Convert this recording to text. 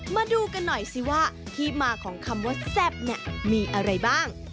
มาดูกันหน่อยสิว่าที่มาของคำว่าแซ่บเนี่ยมีอะไรบ้าง